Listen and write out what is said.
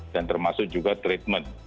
dan termasuk juga treatment